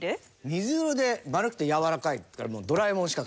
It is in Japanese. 水色で丸くて柔らかいっていったらもうドラえもんしか。